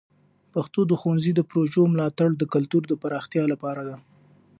پښتو د ښونځي د پروژو ملاتړ د کلتور د پراختیا لپاره ده.